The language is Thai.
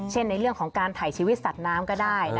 ในเรื่องของการถ่ายชีวิตสัตว์น้ำก็ได้